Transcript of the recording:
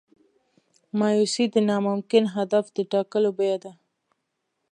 مایوسي د ناممکن هدف د ټاکلو بیه ده.